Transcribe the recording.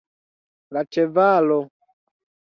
La ĉevalo.